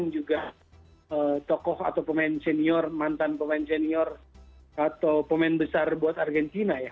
juga tokoh atau pemain senior mantan pemain senior atau pemain besar buat argentina ya